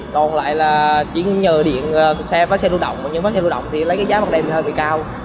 còn lại chỉ nhờ điện xe xe lưu động những xe lưu động thì giá bằng đêm hơi cao